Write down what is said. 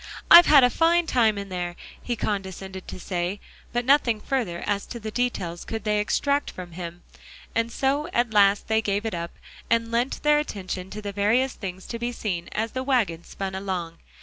"I've had a fine time in there," he condescended to say, but nothing further as to the details could they extract from him; and so at last they gave it up, and lent their attention to the various things to be seen as the wagon spun along.